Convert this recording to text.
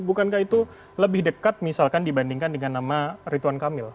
bukankah itu lebih dekat misalkan dibandingkan dengan nama rituan kamil